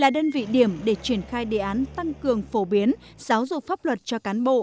để truyền khai đề án tăng cường phổ biến giáo dục pháp luật cho cán bộ